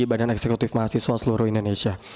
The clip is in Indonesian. badan eksekutif mahasiswa seluruh indonesia